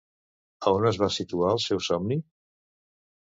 A on es va situar el seu somni?